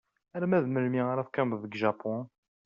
Arma d melmi ara teqqimeḍ deg Japun?